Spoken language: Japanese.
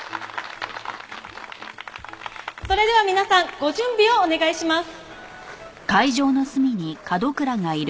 それでは皆さんご準備をお願いします。